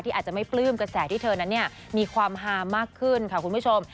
อาจจะไม่ปลื้มกระแสที่เธอนั้นมีความฮามากขึ้นค่ะคุณผู้ชม